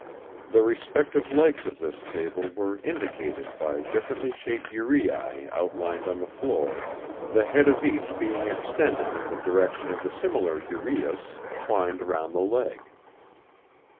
The respective legs of this table were indicated by differently shaped uraei outlined on the floor, the head of each being extended in the direction of the similar uraeus twined round the leg.